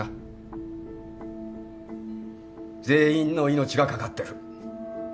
全員の命がかかってる。